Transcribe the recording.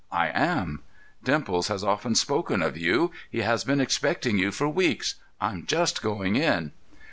"I am." "Dimples has often spoken of you. He has been expecting you for weeks. I'm just going in."